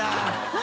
何？